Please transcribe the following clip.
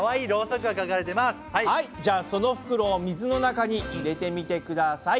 はいじゃあその袋を水の中に入れてみてください！